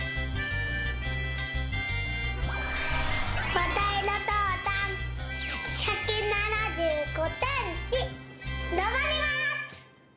まさひろとうさん１７５センチのぼります！